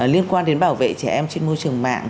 liên quan đến bảo vệ trẻ em trên môi trường mạng